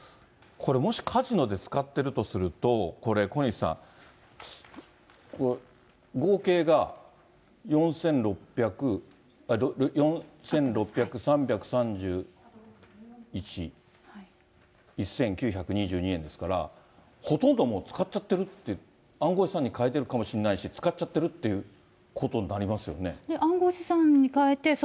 これもしカジノで使ってるとすると、これ、小西さん、合計が４６３３１、１９２２円ですから、ほとんどもう、使っちゃってる、暗号資産のかえてるかもしれないけれども、使っちゃってるっていうことになりますよね。